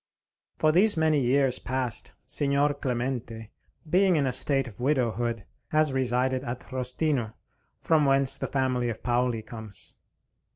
For these many years past, Signor Clemente, being in a state of widowhood, has resided at Rostino, from whence the family of Paoli comes.